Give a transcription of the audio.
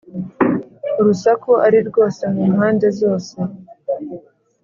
urusaku ari rwose mu mpande zose,